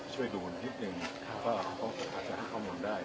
ช่วยดูนที่นิดหนึ่งได้นะครับมีทางถึงภารกิจวันพรุ่งนี้